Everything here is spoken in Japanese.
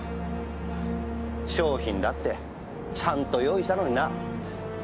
商品だってちゃんと用意したのにな。